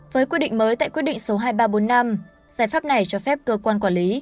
với quy định mới tại quyết định số hai nghìn ba trăm bốn mươi năm giải pháp này cho phép cơ quan quản lý